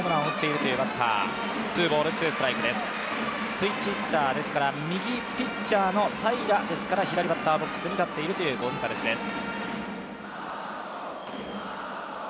スイッチヒッターですから、右ピッチャーの平良ですから左バッターボックスに立っているというゴンザレスです。